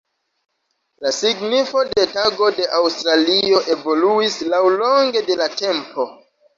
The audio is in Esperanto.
La signifo de Tago de Aŭstralio evoluis laŭlonge de la tempo.